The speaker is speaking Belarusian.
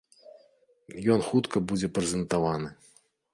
Ён хутка будзе прэзентаваны.